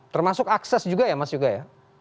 termasuk akses juga ya mas juga ya